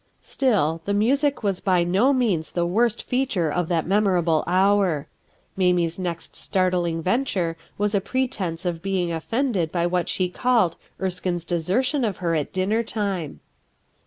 Still, the music was by no means the worst feature of that memorable hour. Mamie's next startling venture was a pretence of being offended by what she called Erskine's desertion of her at dinner time.